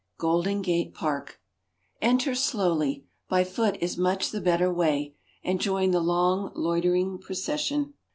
Golden Gate Park Enter slowly, by foot is much the better way, and join the long, loitering procession.